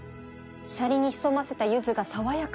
シャリに潜ませたユズが爽やか